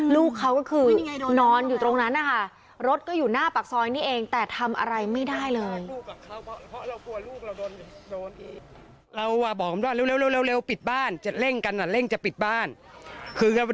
ลูกเขาก็คือนอนอยู่ตรงนั้นนะคะ